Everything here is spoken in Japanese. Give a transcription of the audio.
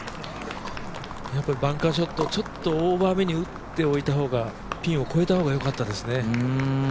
やっぱりバンカーショットちょっとオーバーめに打ってピンを越えた方がよかったですね。